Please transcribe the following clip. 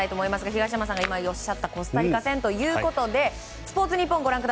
東山さんが今おっしゃったおっしゃったコスタリカ戦ということでスポーツニッポンです。